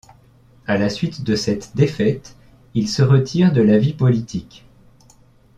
À la suite de cette défaite, il se retire de la vie politique.